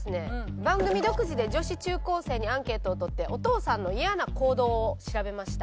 番組独自で女子中高生にアンケートを取ってお父さんの嫌な行動を調べました。